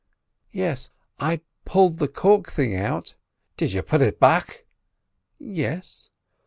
"Yes; I pulled the cork thing out—" "Did yiz put it back?" "Yes."